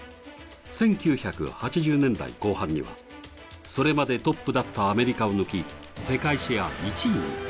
１９８０年代後半にはそれまでトップだったアメリカを抜き、世界シェア１位に。